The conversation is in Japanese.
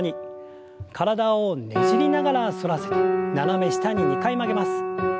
体をねじりながら反らせて斜め下に２回曲げます。